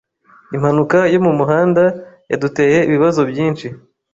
Impanuka yo mumuhanda yaduteye ibibazo byinshi.